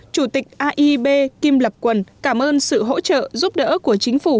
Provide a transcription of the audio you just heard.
chủ tịch aieb kim lập quân cảm ơn sự hỗ trợ giúp đỡ của chính phủ